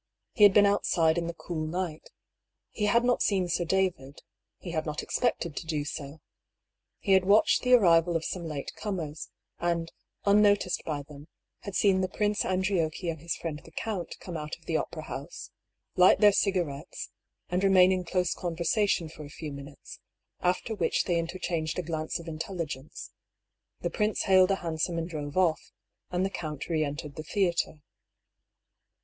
He had been outside in the cool night. He had not seen Sir David ; he had not expected to do so. He had watched the arrival of some late comers, and, unnoticed by them, had seen the Prince Andriocchi and his friend the count come out of the opera house, light their cigarettes, and remain in <3lose conversation for a few minutes, after, which they interchanged % glance of intelligence ; the prince hailed a hansom and drove off, and the count re entered the theatre.